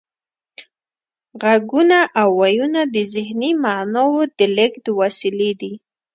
غږونه او وییونه د ذهني معناوو د لیږد وسیلې دي